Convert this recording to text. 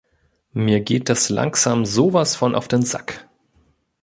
Mir geht das langsam sowas von auf den Sack.